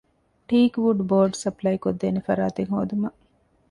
ޓީކް ވުޑް ބޯޑް ސަޕްލައިކޮށްދޭނެ ފަރާތެއް ހޯދުމަށް